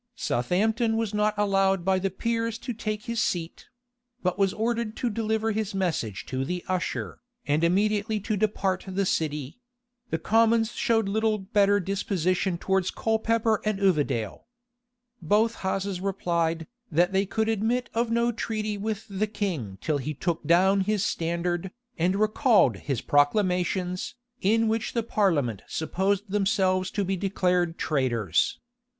Southampton was not allowed by the peers to take his seat; but was ordered to deliver his message to the usher, and immediately to depart the city: the commons showed little better disposition towards Colepeper and Uvedale.[*] Both houses replied, that they could admit of no treaty with the king till he took down his standard, and recalled his proclamations, in which the parliament supposed themselves to be declared traitors.